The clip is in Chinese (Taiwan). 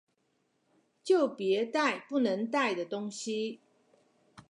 就別帶不能帶的東西！